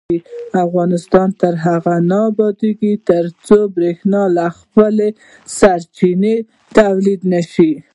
افغانستان تر هغو نه ابادیږي، ترڅو بریښنا له خپلو سرچینو تولید نشي.